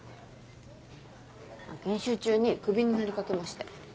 研修中にクビになりかけまして。